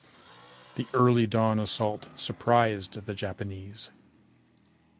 The early dawn assault surprised the Japanese.